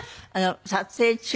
撮影中